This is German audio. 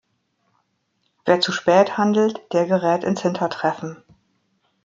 Wer zu spät handelt, der gerät ins Hintertreffen.